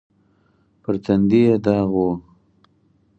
پر تندي يې داغ و.